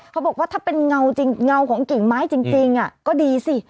เขาบอกว่าถ้าเป็นเงาจริงเงาของกิ่งไม้จริงก็ดีสิ